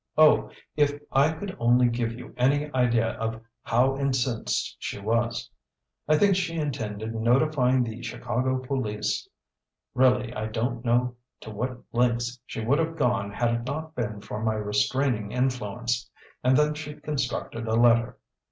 Oh, if I could only give you any idea of how incensed she was! I think she intended notifying the Chicago police. Really I don't know to what lengths she would have gone had it not been for my restraining influence. And then she constructed a letter.